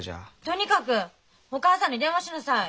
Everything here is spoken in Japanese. とにかくお母さんに電話しなさい。